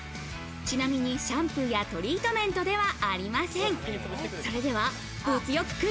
ちなみにシャンプーやトリートメントではありません。